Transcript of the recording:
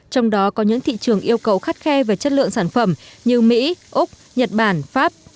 trong đó có những thị trường yêu cầu khắt khe về chất lượng sản phẩm như mỹ úc nhật bản pháp